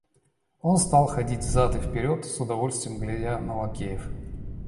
Он стал ходить взад и вперед, с удовольствием глядя на лакеев.